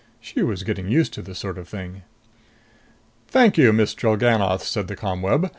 She was getting used to this sort of thing. "Thank you, Miss Drellgannoth," said the ComWeb.